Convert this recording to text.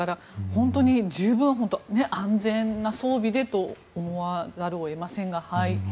本当に十分、安全な装備でと思わざるを得ませんが。